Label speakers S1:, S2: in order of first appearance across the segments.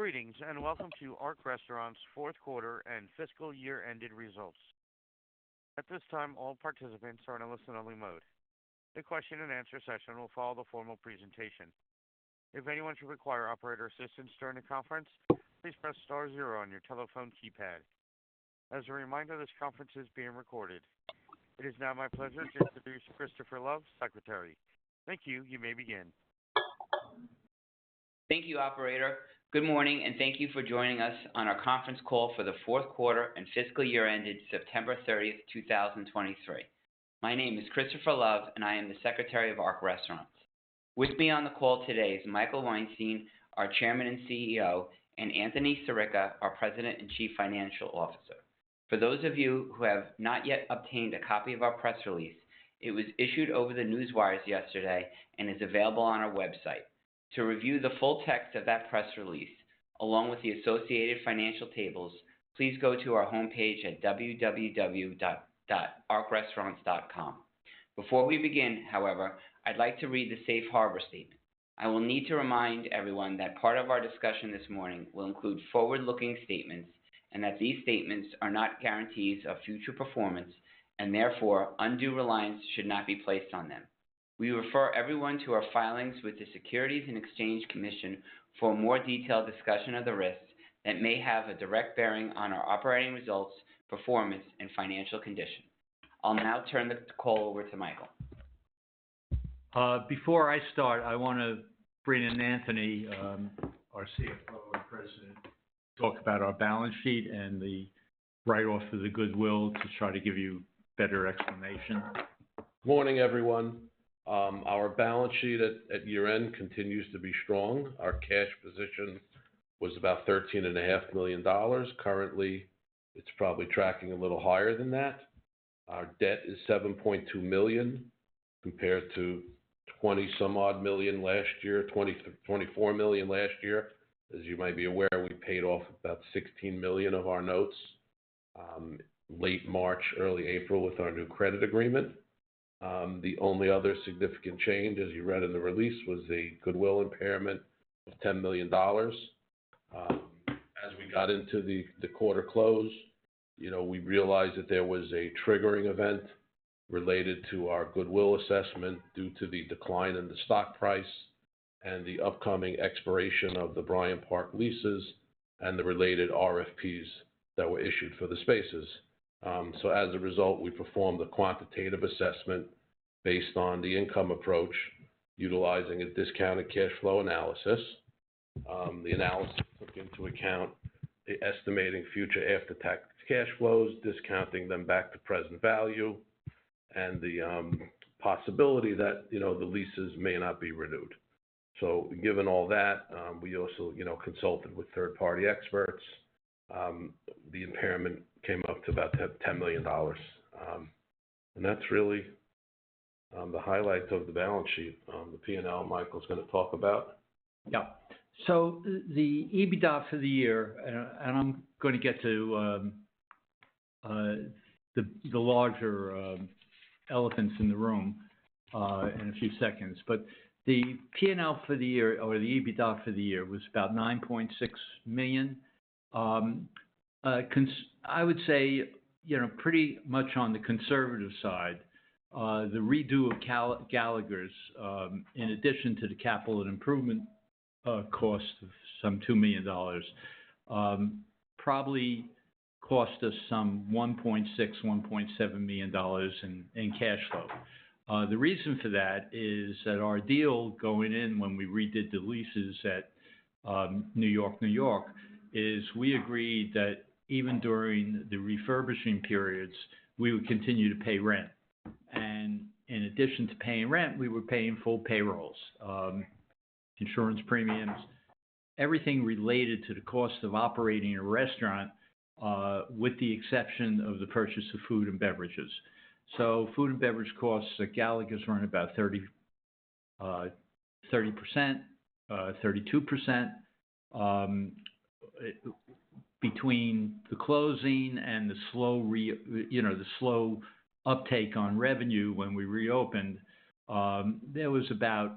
S1: Greetings, and welcome to Ark Restaurants' fourth quarter and fiscal year-ended results. At this time, all participants are in a listen-only mode. A question-and-answer session will follow the formal presentation. If anyone should require operator assistance during the conference, please press star zero on your telephone keypad. As a reminder, this conference is being recorded. It is now my pleasure to introduce Christopher Love, Secretary. Thank you. You may begin.
S2: Thank you, operator. Good morning, and thank you for joining us on our conference call for the fourth quarter and fiscal year ended September 30, 2023. My name is Christopher Love, and I am the Secretary of Ark Restaurants. With me on the call today is Michael Weinstein, our Chairman and CEO, and Anthony Sirica, our President and Chief Financial Officer. For those of you who have not yet obtained a copy of our press release, it was issued over the newswires yesterday and is available on our website. To review the full text of that press release, along with the associated financial tables, please go to our homepage at www.arkrestaurants.com. Before we begin, however, I'd like to read the safe harbor statement. I will need to remind everyone that part of our discussion this morning will include forward-looking statements, and that these statements are not guarantees of future performance, and therefore undue reliance should not be placed on them. We refer everyone to our filings with the Securities and Exchange Commission for a more detailed discussion of the risks that may have a direct bearing on our operating results, performance, and financial condition. I'll now turn this call over to Michael.
S3: Before I start, I want to bring in Anthony, our CFO and President, to talk about our balance sheet and the write-off of the goodwill to try to give you a better explanation.
S4: Morning, everyone. Our balance sheet at year-end continues to be strong. Our cash position was about $13.5 million. Currently, it's probably tracking a little higher than that. Our debt is $7.2 million, compared to $20-some-odd million last year, $24 million last year. As you might be aware, we paid off about $16 million of our notes, late March, early April, with our new credit agreement. The only other significant change, as you read in the release, was the goodwill impairment of $10 million. As we got into the quarter close, you know, we realized that there was a triggering event related to our goodwill assessment due to the decline in the stock price and the upcoming expiration of the Bryant Park leases and the related RFPs that were issued for the spaces. So as a result, we performed a quantitative assessment based on the income approach, utilizing a discounted cash flow analysis. The analysis took into account the estimating future after-tax cash flows, discounting them back to present value and the possibility that, you know, the leases may not be renewed. So given all that, we also, you know, consulted with third-party experts. The impairment came up to about $10 million. And that's really the highlight of the balance sheet. The P&L, Michael's gonna talk about.
S3: Yeah. So the EBITDA for the year, and I'm gonna get to the larger elephants in the room in a few seconds. But the P&L for the year or the EBITDA for the year was about $9.6 million. I would say, you know, pretty much on the conservative side, the redo of Gallagher's, in addition to the capital and improvement cost of some $2 million, probably cost us some $1.6-$1.7 million in cash flow. The reason for that is that our deal going in when we redid the leases at New York-New York is we agreed that even during the refurbishing periods, we would continue to pay rent. In addition to paying rent, we were paying full payrolls, insurance premiums, everything related to the cost of operating a restaurant, with the exception of the purchase of food and beverages. So food and beverage costs at Gallagher's run about 32%. Between the closing and the slow, you know, the slow uptake on revenue when we reopened, there was about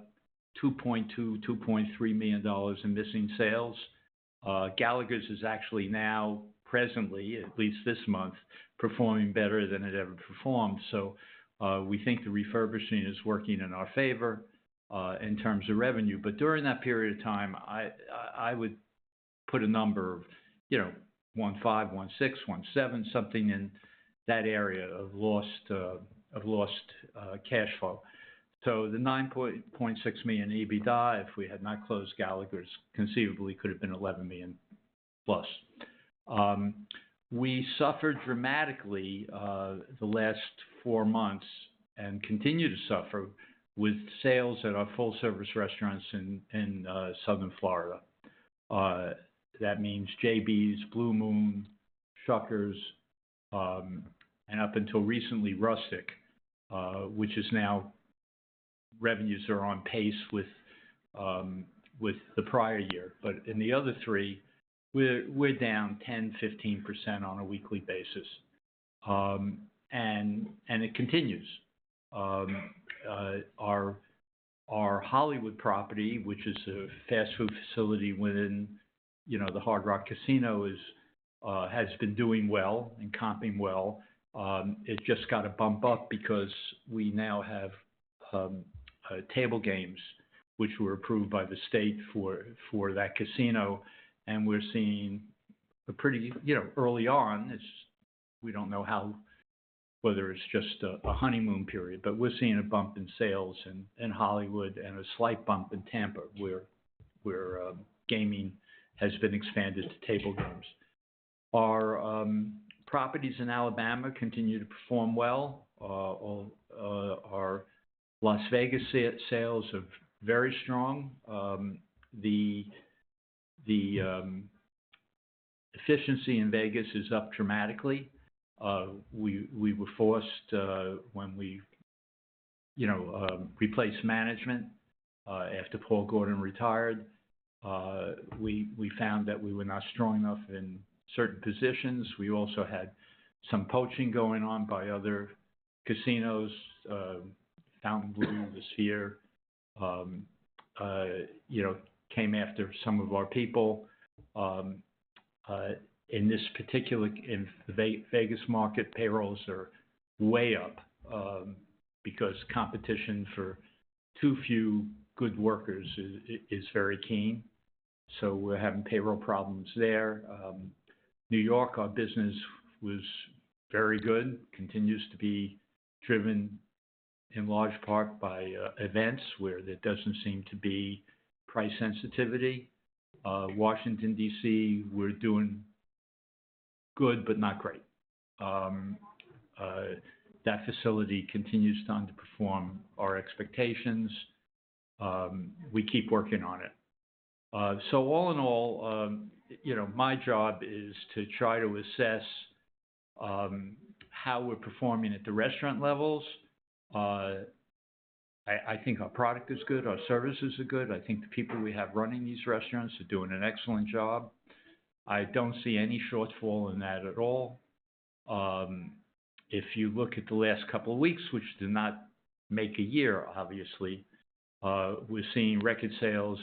S3: $2.2-$2.3 million in missing sales. Gallagher's is actually now presently, at least this month, performing better than it ever performed. So, we think the refurbishing is working in our favor, in terms of revenue. But during that period of time, I, I would put a number of, you know, $1.5, $1.6, $1.7, something in that area of lost cash flow. So the $9.6 million EBITDA, if we had not closed Gallagher's, conceivably could have been $11 million plus. We suffered dramatically the last four months and continue to suffer with sales at our full-service restaurants in Southern Florida. That means JB's, Blue Moon, Shuckers, and up until recently, Rustic, which is now revenues are on pace with the prior year. But in the other three we're down 10%-15% on a weekly basis. And it continues. Our Hollywood property, which is a fast food facility within, you know, the Hard Rock Casino, has been doing well and comping well. It just got a bump up because we now have table games, which were approved by the state for that casino, and we're seeing a pretty, you know, early on, it's we don't know how, whether it's just a honeymoon period, but we're seeing a bump in sales in Hollywood and a slight bump in Tampa, where gaming has been expanded to table games. Our properties in Alabama continue to perform well. Our Las Vegas sales are very strong. The efficiency in Vegas is up dramatically. We were forced when we, you know, replaced management after Paul Gordon retired, we found that we were not strong enough in certain positions. We also had some poaching going on by other casinos. Fontainebleau, this year, you know, came after some of our people. In this particular in Vegas market, payrolls are way up, because competition for too few good workers is very keen. So we're having payroll problems there. New York, our business was very good. Continues to be driven in large part by events, where there doesn't seem to be price sensitivity. Washington, D.C., we're doing good, but not great. That facility continues to underperform our expectations. We keep working on it. So all in all, you know, my job is to try to assess how we're performing at the restaurant levels. I think our product is good, our services are good. I think the people we have running these restaurants are doing an excellent job. I don't see any shortfall in that at all. If you look at the last couple of weeks, which did not make a year, obviously, we're seeing record sales,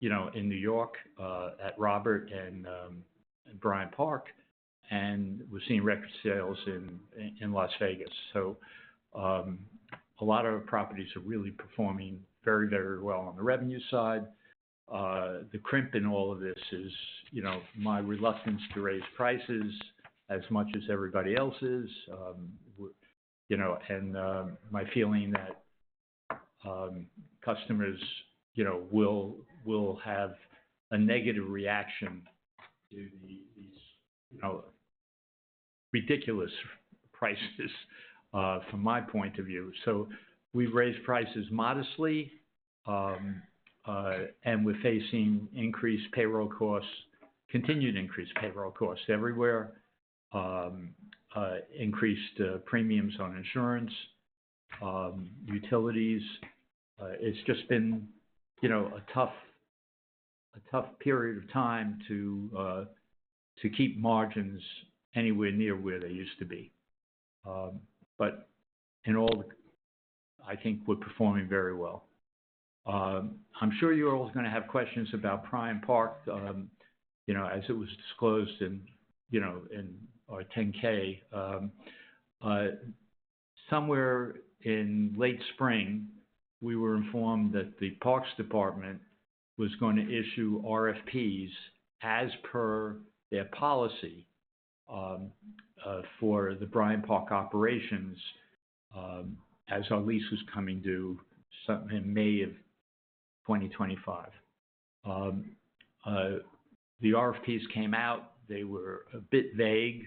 S3: you know, in New York, at Robert and in Bryant Park, and we're seeing record sales in Las Vegas. So, a lot of properties are really performing very, very well on the revenue side. The crimp in all of this is, you know, my reluctance to raise prices as much as everybody else is. You know, and my feeling that customers, you know, will have a negative reaction to these, you know, ridiculous prices, from my point of view. So we've raised prices modestly, and we're facing increased payroll costs, continued increased payroll costs everywhere. Increased premiums on insurance, utilities. It's just been, you know, a tough, a tough period of time to, to keep margins anywhere near where they used to be. But in all, I think we're performing very well. I'm sure you're all going to have questions about Bryant Park. You know, as it was disclosed in, you know, in our 10-K. Somewhere in late spring, we were informed that the Parks Department was going to issue RFPs as per their policy, for the Bryant Park operations, as our lease was coming due some in May of 2025. The RFPs came out, they were a bit vague.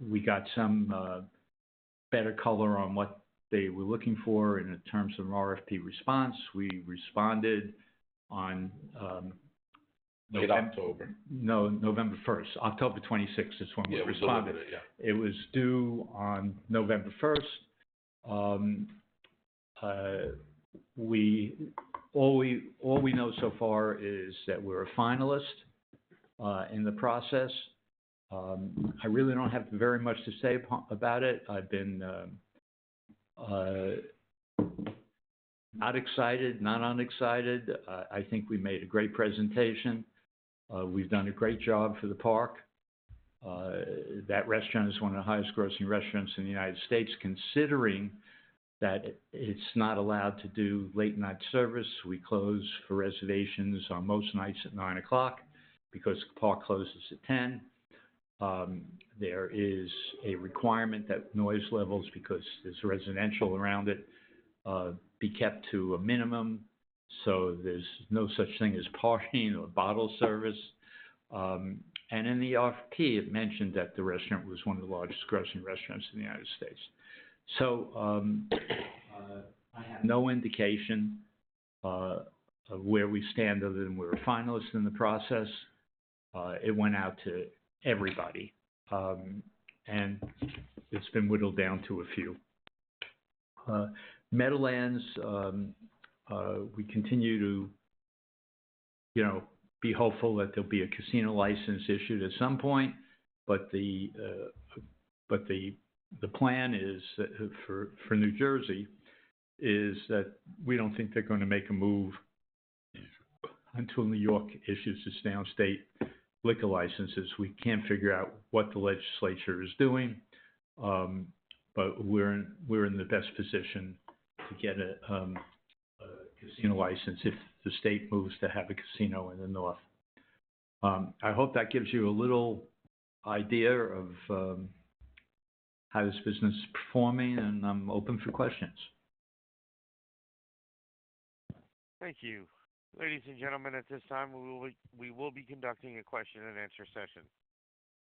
S3: We got some better color on what they were looking for in terms of RFP response. We responded on,
S4: Mid-October.
S3: No, November 1st. October 26th is when we responded.
S4: Yeah, a little bit ago.
S3: It was due on November first. All we know so far is that we're a finalist in the process. I really don't have very much to say about it. I've been not excited, not unexcited. I think we made a great presentation. We've done a great job for the park. That restaurant is one of the highest grossing restaurants in the United States, considering that it's not allowed to do late-night service. We close for reservations on most nights at 9:00 P.M. because the park closes at 10:00 P.M. There is a requirement that noise levels, because there's residential around it, be kept to a minimum, so there's no such thing as partying or bottle service. In the RFP, it mentioned that the restaurant was one of the largest grossing restaurants in the United States. So, I have no indication of where we stand, other than we're a finalist in the process. It went out to everybody, and it's been whittled down to a few. Meadowlands, we continue to, you know, be hopeful that there'll be a casino license issued at some point. But the, but the, the plan is, for, for New Jersey, is that we don't think they're gonna make a move until New York issues its downstate liquor licenses. We can't figure out what the legislature is doing, but we're in, we're in the best position to get a, a casino license if the state moves to have a casino in the north. I hope that gives you a little idea of how this business is performing, and I'm open for questions.
S1: Thank you. Ladies and gentlemen, at this time, we will be conducting a question-and-answer session.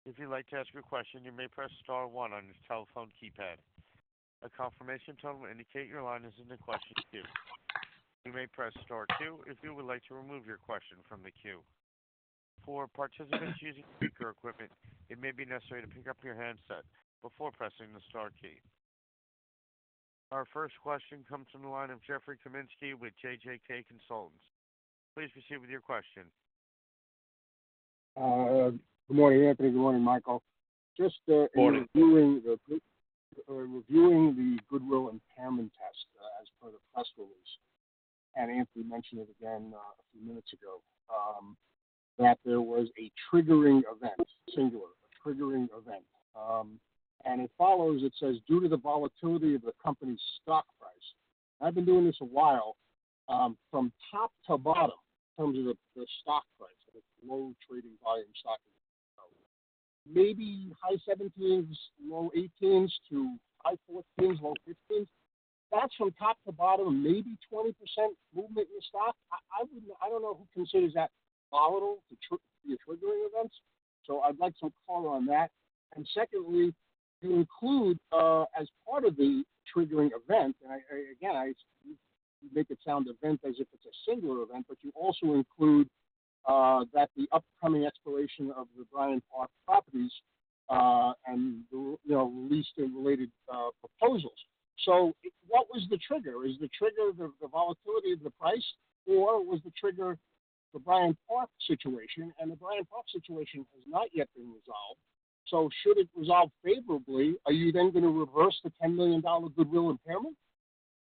S1: If you'd like to ask a question, you may press star one on your telephone keypad. A confirmation tone will indicate your line is in the question queue. You may press star two if you would like to remove your question from the queue. For participants using speaker equipment, it may be necessary to pick up your handset before pressing the star key. Our first question comes from the line of Jeffrey Kaminsky with JJK Consultants. Please proceed with your question.
S5: Good morning, Anthony. Good morning, Michael.
S4: Good morning.
S5: Just in reviewing the goodwill impairment test as per the press release, and Anthony mentioned it again a few minutes ago that there was a triggering event, singular, a triggering event. And it follows, it says, "Due to the volatility of the company's stock price. " I've been doing this a while from top to bottom, in terms of the stock price and the low trading volume stock, maybe high 17s, low 18s to high 14s, low 15s. That's from top to bottom, maybe 20% movement in stock. I wouldn't, I don't know who considers that volatile to to your triggering events, so I'd like some color on that. Secondly, to include as part of the triggering event, and I, again, you make it sound like an event as if it's a singular event, but you also include that the upcoming exploration of the Bryant Park properties, and the, you know, lease and related proposals. So what was the trigger? Is the trigger the volatility of the price, or was the trigger the Bryant Park situation? And the Bryant Park situation has not yet been resolved. So should it resolve favorably, are you then going to reverse the $10 million goodwill impairment?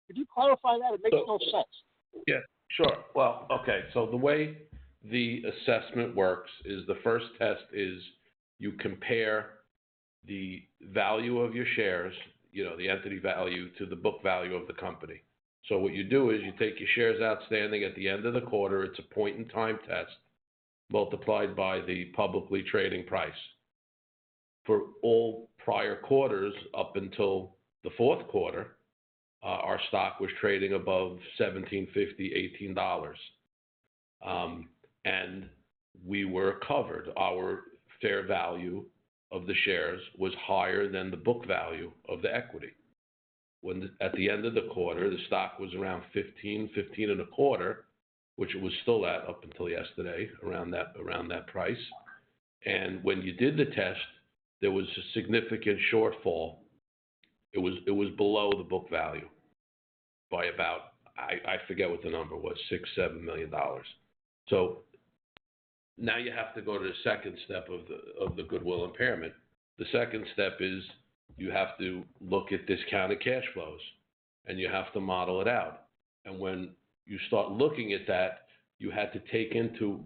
S5: Could you clarify that? It makes no sense.
S4: Yeah, sure. Well, okay. So the way the assessment works is the first test is you compare the value of your shares, you know, the entity value, to the book value of the company. So what you do is you take your shares outstanding at the end of the quarter, it's a point-in-time test, multiplied by the publicly trading price. For all prior quarters, up until the fourth quarter, our stock was trading above $17.50, $18. And we were covered. Our fair value of the shares was higher than the book value of the equity. When the-- at the end of the quarter, the stock was around $15, $15.25, which it was still at up until yesterday, around that, around that price. And when you did the test, there was a significant shortfall. It was, it was below the book value by about I forget what the number was, $6-$7 million. So now you have to go to the second step of the goodwill impairment. The second step is you have to look at discounted cash flows, and you have to model it out. And when you start looking at that, you had to take into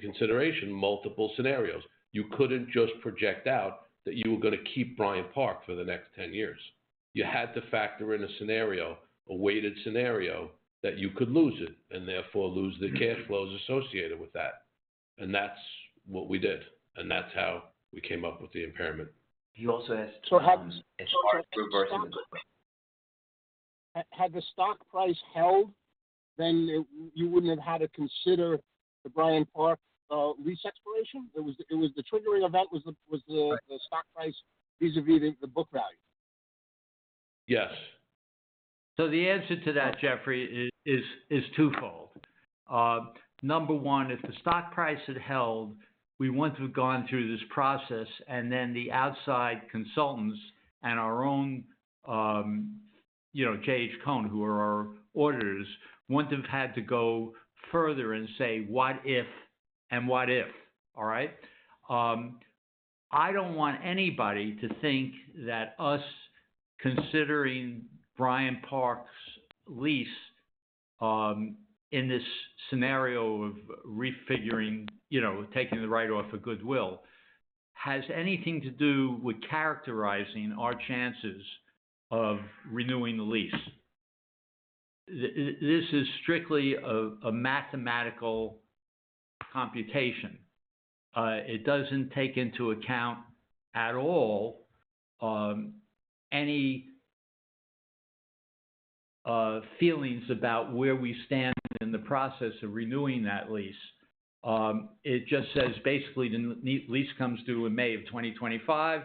S4: consideration multiple scenarios. You couldn't just project out that you were gonna keep Bryant Park for the next 10 years. You had to factor in a scenario, a weighted scenario, that you could lose it, and therefore lose the cash flows associated with that. And that's what we did, and that's how we came up with the impairment.
S3: He also asked
S5: So how Had the stock price held, then you wouldn't have had to consider the Bryant Park lease exploration? It was the triggering event.
S4: Right.
S5: the stock price vis-à-vis the book value?
S4: Yes.
S3: So the answer to that, Jeffrey, is twofold. Number one, if the stock price had held, we wouldn't have gone through this process, and then the outside consultants and our own, you know, J.H. Cohn, who are our auditors, wouldn't have had to go further and say, what if and what if? All right. I don't want anybody to think that us considering Bryant Park's lease, in this scenario of refiguring, you know, taking the write off of goodwill, has anything to do with characterizing our chances of renewing the lease. This is strictly a mathematical computation. It doesn't take into account at all, any feelings about where we stand in the process of renewing that lease. It just says basically, the lease comes due in May of 2025,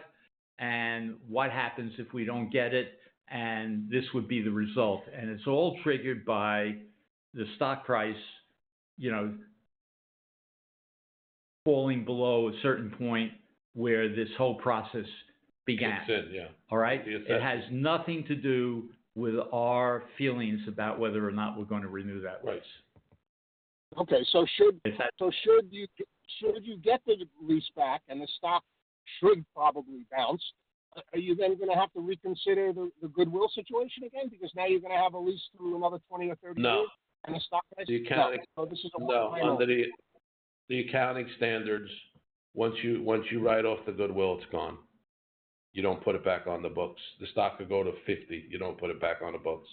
S3: and what happens if we don't get it? This would be the result. It's all triggered by the stock price, you know, falling below a certain point where this whole process began.
S4: That's it, yeah.
S3: All right? It has nothing to do with our feelings about whether or not we're going to renew that lease.
S5: Right. Okay, so should
S3: Exactly.
S5: So should you, so should you get the lease back and the stock should probably bounce, are you then gonna have to reconsider the, the goodwill situation again? Because now you're gonna have a lease through another 20 or 30 years
S4: No.
S5: and the stock price?
S4: The accounting. No, under the accounting standards, once you write off the goodwill, it's gone. You don't put it back on the books. The stock could go to 50, you don't put it back on the books.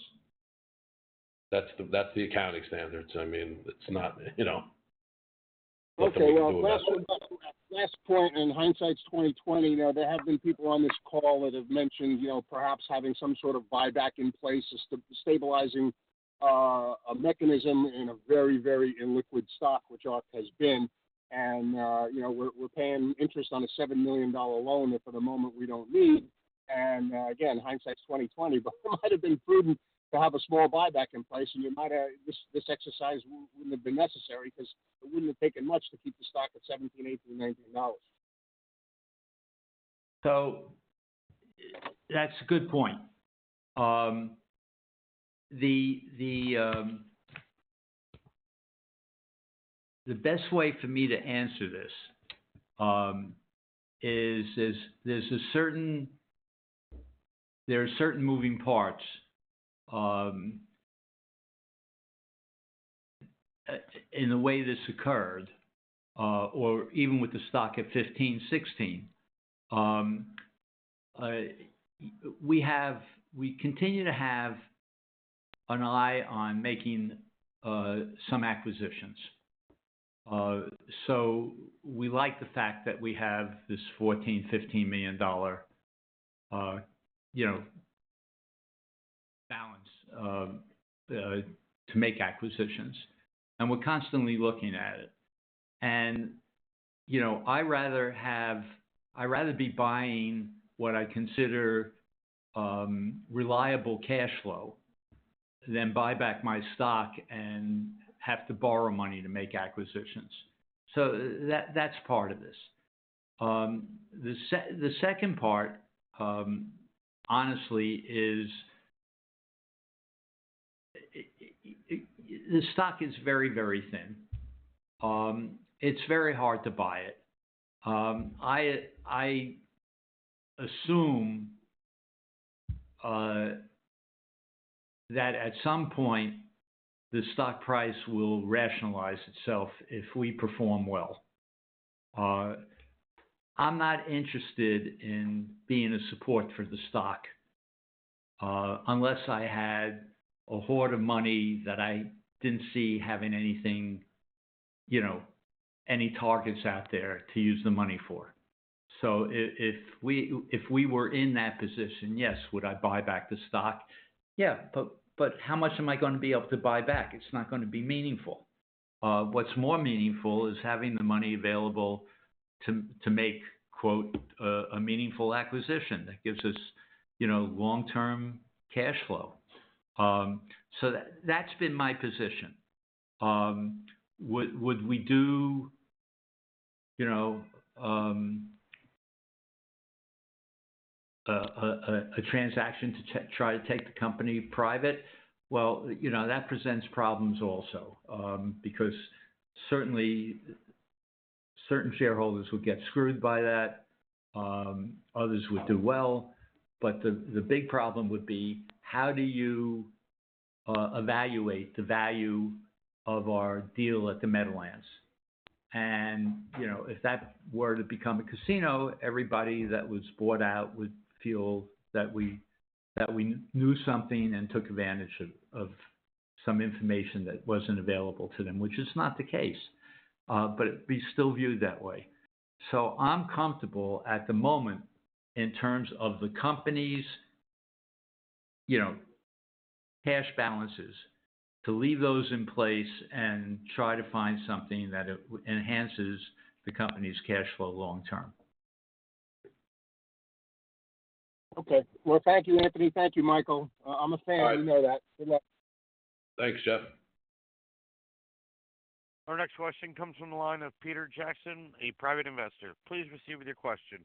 S4: That's the accounting standards. I mean, it's not, you know,
S5: Okay, well, last one, last point, and hindsight's 20/20. You know, there have been people on this call that have mentioned, you know, perhaps having some sort of buyback in place as the stabilizing, a mechanism in a very, very illiquid stock, which ours has been. And, you know, we're paying interest on a $7 million loan that for the moment we don't need. And, again, hindsight's 20/20, but it might have been prudent to have a small buyback in place, and you might have, this exercise wouldn't have been necessary because it wouldn't have taken much to keep the stock at $17, $18, $19.
S3: So that's a good point. The best way for me to answer this is there's a certain moving parts in the way this occurred, or even with the stock at 15, 16. We continue to have an eye on making some acquisitions. So we like the fact that we have this $14-$15 million, you know, balance to make acquisitions, and we're constantly looking at it. And, you know, I rather be buying what I consider reliable cash flow than buy back my stock and have to borrow money to make acquisitions. So that, that's part of this. The second part, honestly, is the stock is very, very thin. It's very hard to buy it. I assume that at some point, the stock price will rationalize itself if we perform well. I'm not interested in being a support for the stock unless I had a hoard of money that I didn't see having anything, you know, any targets out there to use the money for. So if we were in that position, yes, would I buy back the stock? Yeah, but how much am I gonna be able to buy back? It's not gonna be meaningful. What's more meaningful is having the money available to make, quote, "a meaningful acquisition" that gives us, you know, long-term cash flow. So that's been my position. Would we do, you know, a transaction to try to take the company private? Well, you know, that presents problems also, because certainly, certain shareholders would get screwed by that, others would do well. But the big problem would be, how do you evaluate the value of our deal at the Meadowlands? And, you know, if that were to become a casino, everybody that was bought out would feel that we knew something and took advantage of some information that wasn't available to them, which is not the case, but it'd be still viewed that way. So I'm comfortable at the moment in terms of the company's, you know, cash balances, to leave those in place and try to find something that enhances the company's cash flow long term.
S5: Okay. Well, thank you, Anthony. Thank you, Michael. I'm a fan-
S4: All right.
S5: You know that. Good luck.
S4: Thanks, Jeff.
S1: Our next question comes from the line of Peter Jackson, a private investor. Please proceed with your question.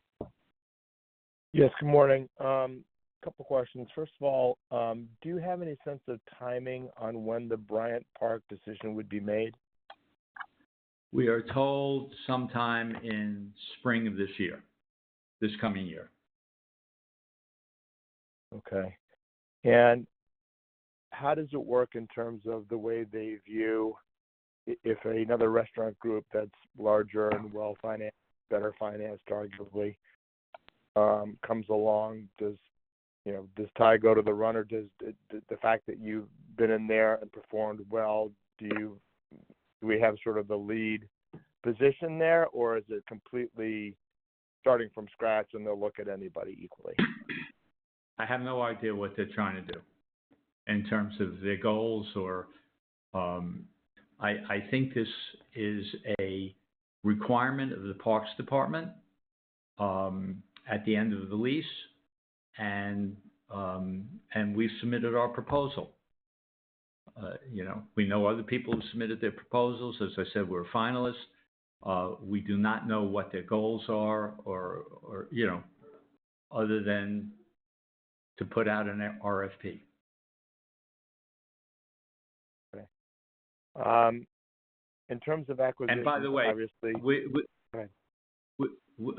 S6: Yes, good morning. A couple questions. First of all, do you have any sense of timing on when the Bryant Park decision would be made?
S3: We are told sometime in spring of this year, this coming year.
S6: Okay. And how does it work in terms of the way they view if another restaurant group that's larger and well-financed, better financed, arguably, comes along, you know, does tie go to the runner? Does the fact that you've been in there and performed well, do you, do we have sort of the lead position there, or is it completely starting from scratch and they'll look at anybody equally?
S3: I have no idea what they're trying to do in terms of their goals or I think this is a requirement of the Parks Department at the end of the lease, and we've submitted our proposal. You know, we know other people who submitted their proposals. As I said, we're a finalist. We do not know what their goals are or, you know, other than to put out an RFP.
S6: Okay. In terms of acquisition
S3: And by the way
S6: Obviously. Go ahead.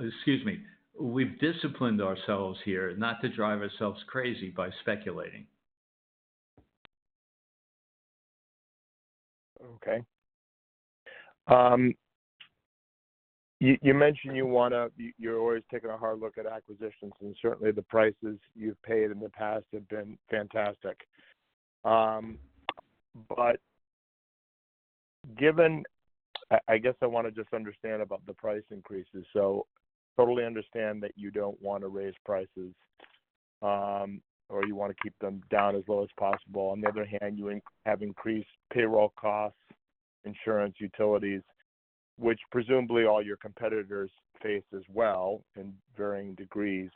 S3: Excuse me. We've disciplined ourselves here not to drive ourselves crazy by speculating.
S6: Okay. You, you mentioned you wanna—you're always taking a hard look at acquisitions, and certainly, the prices you've paid in the past have been fantastic. But given—I, I guess I wanna just understand about the price increases. So totally understand that you don't want to raise prices, or you wanna keep them down as low as possible. On the other hand, you have increased payroll costs, insurance, utilities, which presumably all your competitors face as well in varying degrees.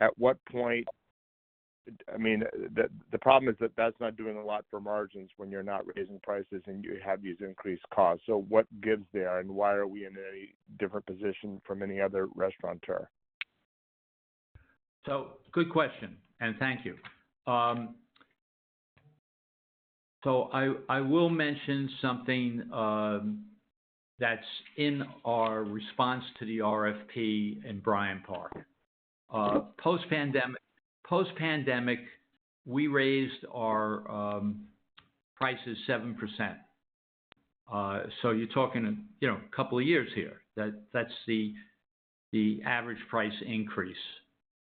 S6: At what point? I mean, the problem is that that's not doing a lot for margins when you're not raising prices and you have these increased costs. So what gives there, and why are we in a different position from any other restaurateur?
S3: So good question, and thank you. So I will mention something that's in our response to the RFP in Bryant Park. Post-pandemic, post-pandemic, we raised our prices 7%. So you're talking, you know, a couple of years here, that's the average price increase.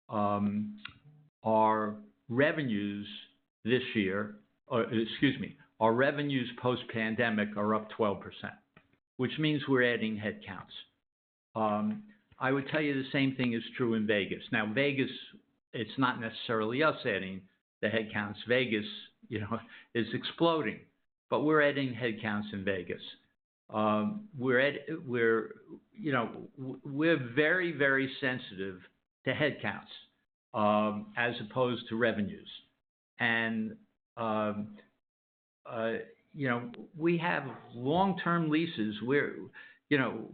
S3: Our revenues this year, or excuse me, our revenues post-pandemic are up 12%, which means we're adding headcounts. I would tell you the same thing is true in Vegas. Now, Vegas, it's not necessarily us adding the headcounts. Vegas, you know, is exploding, but we're adding headcounts in Vegas. We're very, very sensitive to headcounts as opposed to revenues. And you know, we have long-term leases where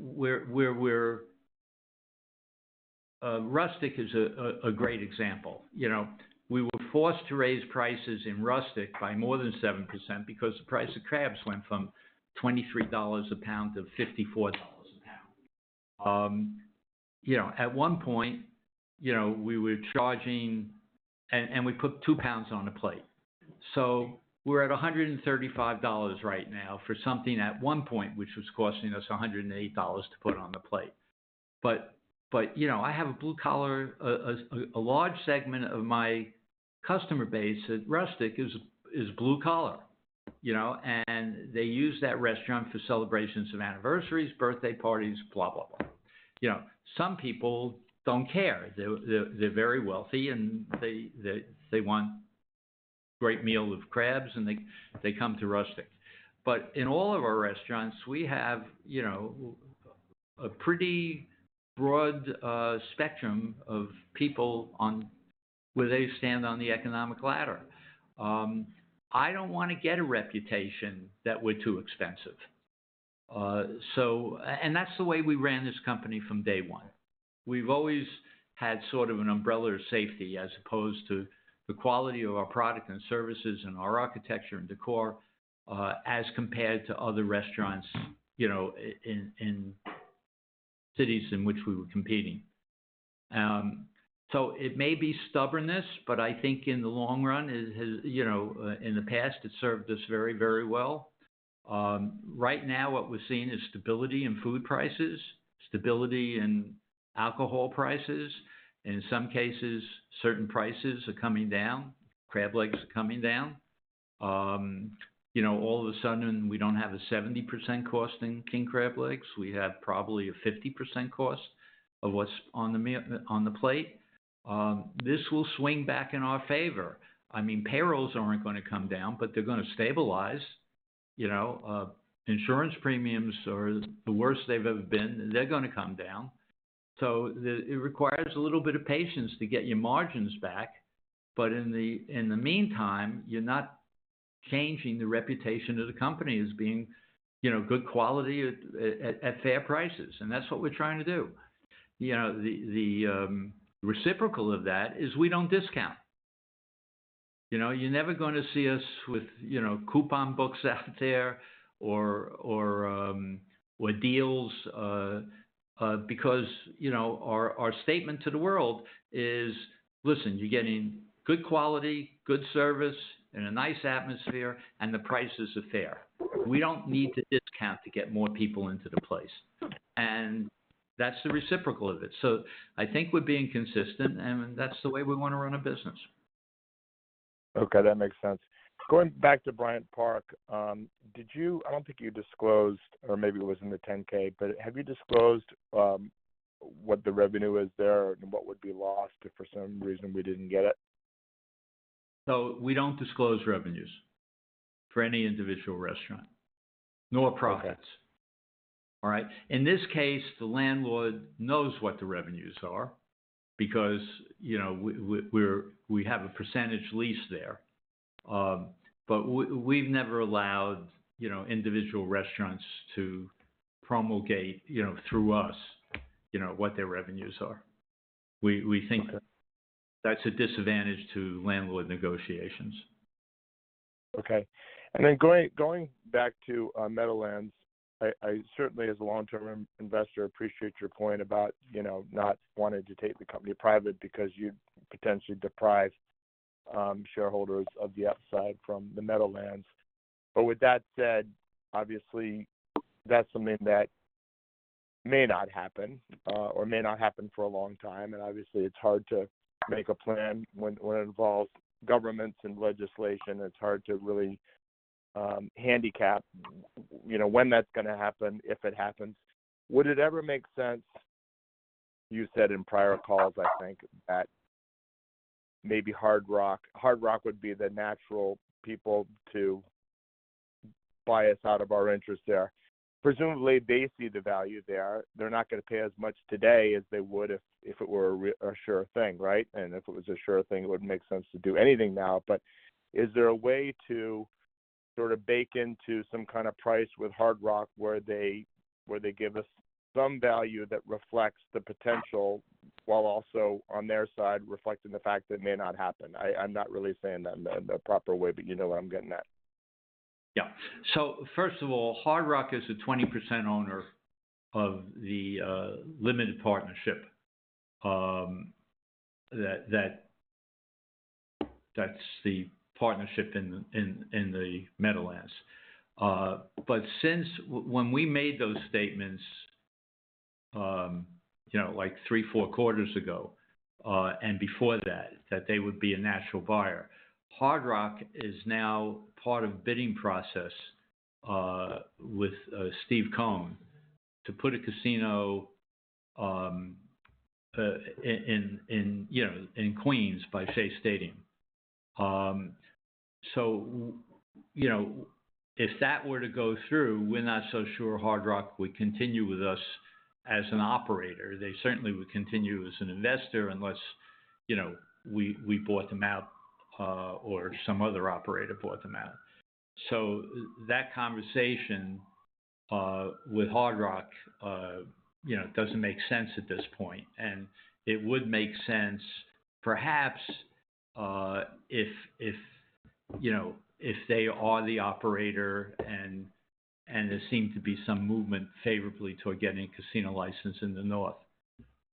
S3: we're... Rustic is a great example. You know, we were forced to raise prices in Rustic by more than 7% because the price of crabs went from $23 a pound to $54 a pound. You know, at one point, you know, we were charging—and we put 2 pounds on a plate. So we're at $135 right now for something at one point, which was costing us $108 to put on the plate. But, you know, I have a blue collar, a large segment of my customer base at Rustic is blue collar, you know, and they use that restaurant for celebrations of anniversaries, birthday parties, blah, blah, blah. You know, some people don't care. They're very wealthy, and they want a great meal of crabs, and they come to Rustic. But in all of our restaurants, we have, you know, a pretty broad spectrum of people on where they stand on the economic ladder. I don't wanna get a reputation that we're too expensive. And that's the way we ran this company from day one. We've always had sort of an umbrella of safety as opposed to the quality of our product and services and our architecture and decor, as compared to other restaurants, you know, in cities in which we were competing. So it may be stubbornness, but I think in the long run, it has, you know, in the past, it served us very, very well. Right now, what we're seeing is stability in food prices, stability in alcohol prices. In some cases, certain prices are coming down, crab legs are coming down. You know, all of a sudden, we don't have a 70% cost in king crab legs. We have probably a 50% cost of what's on the plate. This will swing back in our favor. I mean, payrolls aren't gonna come down, but they're gonna stabilize. You know, insurance premiums are the worst they've ever been, they're gonna come down. So it requires a little bit of patience to get your margins back, but in the meantime, you're not changing the reputation of the company as being, you know, good quality at fair prices, and that's what we're trying to do. You know, the reciprocal of that is we don't discount. You know, you're never gonna see us with, you know, coupon books out there or deals, because, you know, our statement to the world is, "Listen, you're getting good quality, good service in a nice atmosphere, and the prices are fair." We don't need to discount to get more people into the place, and that's the reciprocal of it. So I think we're being consistent, and that's the way we wanna run a business.
S6: Okay, that makes sense. Going back to Bryant Park, did you—I don't think you disclosed or maybe it was in the 10-K, but have you disclosed what the revenue is there and what would be lost if for some reason we didn't get it?
S3: So we don't disclose revenues for any individual restaurant, nor profits. All right? In this case, the landlord knows what the revenues are because, you know, we have a percentage lease there. But we've never allowed, you know, individual restaurants to promulgate, you know, through us, you know, what their revenues are. We think that's a disadvantage to landlord negotiations.
S6: Okay. And then going back to Meadowlands, I certainly, as a long-term investor, appreciate your point about, you know, not wanting to take the company private because you'd potentially deprive shareholders of the upside from the Meadowlands. But with that said, obviously, that's something that may not happen or may not happen for a long time, and obviously, it's hard to make a plan when it involves governments and legislation. It's hard to really handicap, you know, when that's gonna happen, if it happens. Would it ever make sense? You said in prior calls, I think, that maybe Hard Rock would be the natural people to buy us out of our interest there. Presumably, they see the value there. They're not gonna pay as much today as they would if it were a sure thing, right? If it was a sure thing, it wouldn't make sense to do anything now. Is there a way to sort of bake into some kind of price with Hard Rock, where they, where they give us some value that reflects the potential, while also, on their side, reflecting the fact that it may not happen? I, I'm not really saying that in the, the proper way, but you know what I'm getting at.
S3: Yeah. So first of all, Hard Rock is a 20% owner of the limited partnership. That's the partnership in the Meadowlands. But since when we made those statements, you know, like three or four quarters ago, and before that, that they would be a natural buyer, Hard Rock is now part of bidding process with Steve Cohen to put a casino in Queens by Shea Stadium. So, you know, if that were to go through, we're not so sure Hard Rock would continue with us as an operator. They certainly would continue as an investor unless, you know, we bought them out or some other operator bought them out. So that conversation with Hard Rock, you know, doesn't make sense at this point. It would make sense, perhaps, you know, if they are the operator and there seemed to be some movement favorably toward getting a casino license in the north.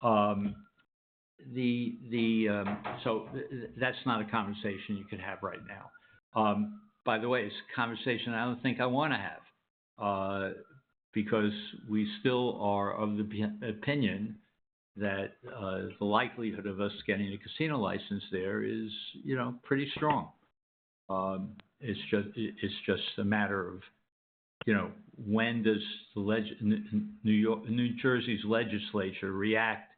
S3: That's not a conversation you can have right now. By the way, it's a conversation I don't think I want to have, because we still are of the opinion that the likelihood of us getting a casino license there is, you know, pretty strong. It's just a matter of, you know, when does New Jersey's legislature react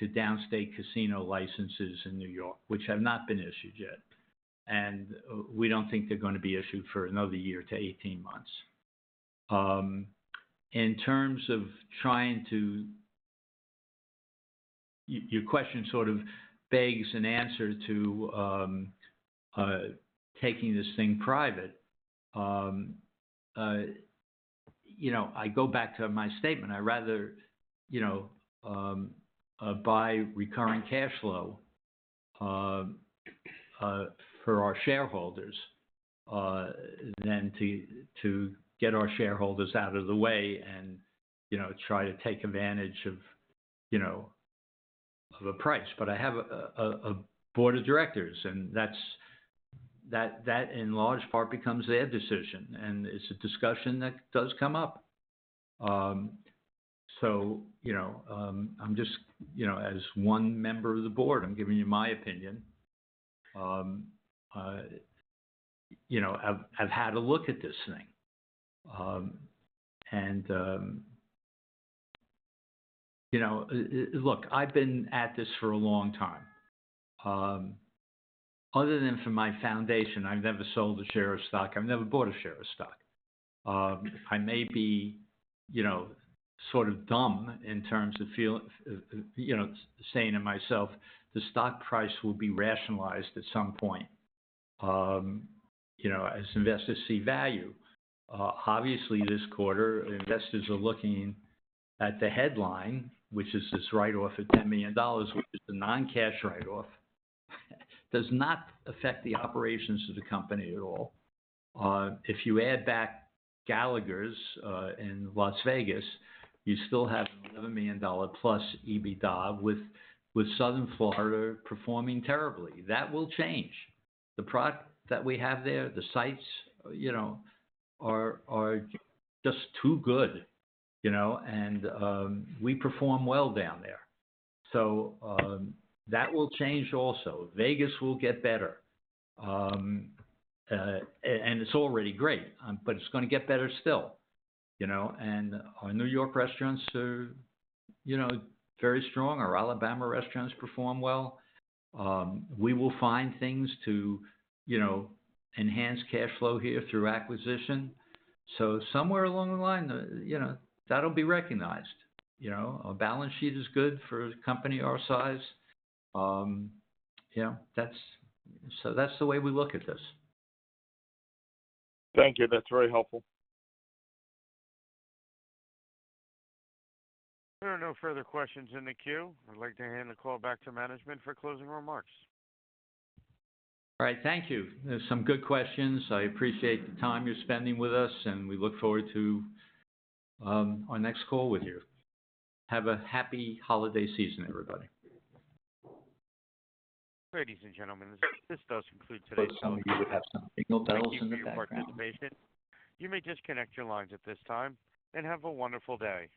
S3: to downstate casino licenses in New York, which have not been issued yet, and we don't think they're gonna be issued for another year to 18 months. In terms of trying to your question sort of begs an answer to taking this thing private. You know, I go back to my statement: I rather you know buy recurring cash flow for our shareholders than to get our shareholders out of the way and you know try to take advantage of you know of a price. But I have a board of directors, and that's in large part becomes their decision, and it's a discussion that does come up. So you know I'm just you know as one member of the board I'm giving you my opinion. You know I've had a look at this thing. And you know look I've been at this for a long time. Other than from my foundation, I've never sold a share of stock. I've never bought a share of stock. I may be, you know, sort of dumb in terms of you know, saying to myself, "The stock price will be rationalized at some point," you know, as investors see value. Obviously, this quarter, investors are looking at the headline, which is this write-off of $10 million, which is a non-cash write-off. It does not affect the operations of the company at all. If you add back Gallagher's in Las Vegas, you still have an $11 million plus EBITDA, with Southern Florida performing terribly. That will change. The product that we have there, the sites, you know, are just too good, you know, and we perform well down there. So, that will change also. Vegas will get better. It's already great, but it's gonna get better still. You know, and our New York restaurants are, you know, very strong. Our Alabama restaurants perform well. We will find things to, you know, enhance cash flow here through acquisition. So somewhere along the line, you know, that'll be recognized. You know, our balance sheet is good for a company our size. You know, that's, so that's the way we look at this.
S6: Thank you. That's very helpful.
S1: There are no further questions in the queue. I'd like to hand the call back to management for closing remarks.
S3: All right. Thank you. There's some good questions. I appreciate the time you're spending with us, and we look forward to our next call with you. Have a happy holiday season, everybody.
S1: Ladies and gentlemen, this does conclude today's call.
S3: Some of you would have some signal bells in the background.
S1: Thank you for your participation. You may disconnect your lines at this time, and have a wonderful day.